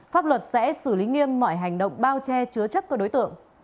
pháp luật sẽ xử lý nghiêm mọi hành động bao che chứa chấp các đối tượng